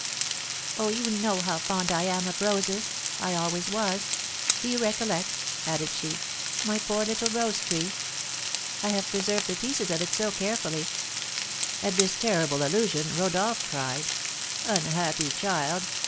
"Oh, you know how fond I am of roses; I always was! Do you recollect," added she, "my poor little rose tree? I have preserved the pieces of it so carefully!" At this terrible allusion, Rodolph cried: "Unhappy child!